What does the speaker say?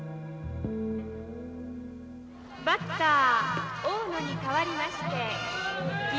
「バッター大野に代わりまして衣笠。